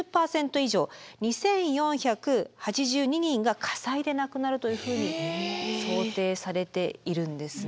以上２，４８２人が火災で亡くなるというふうに想定されているんですね。